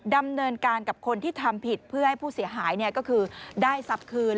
ดำเนินการกับคนที่ทำผิดเพื่อให้ผู้เสียหายก็คือได้ทรัพย์คืน